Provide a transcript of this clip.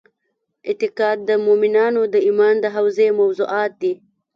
اعتقاد د مومنانو د ایمان د حوزې موضوعات دي.